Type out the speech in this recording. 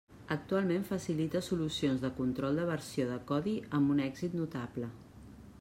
Actualment facilita solucions de control de versió de codi amb un èxit notable.